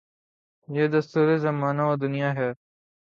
یہ دستور زمانہ و دنیاہے۔